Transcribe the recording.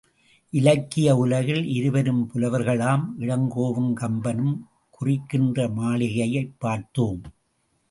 இலக்கிய உலகில் இருபெரும் புலவர்களாம் இளங்கோவும் கம்பனும் குறிக்கின்ற மாளிகையைப் பார்த்தோம்.